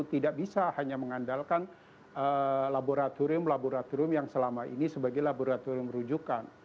tidak bisa hanya mengandalkan laboratorium laboratorium yang selama ini sebagai laboratorium rujukan